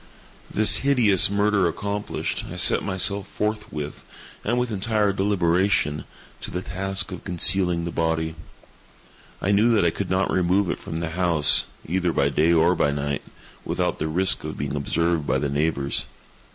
This hideous murder accomplished, I set myself forthwith, and with entire deliberation, to the task of concealing the body. I knew that I could not remove it from the house, either by day or by night, without the risk of being observed by the neighbors.